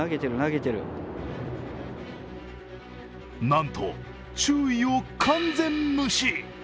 なんと注意を完全無視。